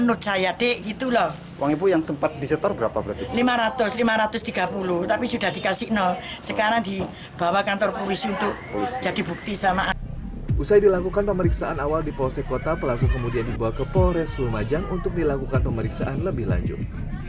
usai dilakukan pemeriksaan awal di polsek kota pelaku kemudian dibawa ke polres lumajang untuk dilakukan pemeriksaan lebih lanjut